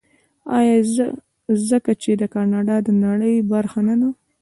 آیا ځکه چې کاناډا د نړۍ برخه نه ده؟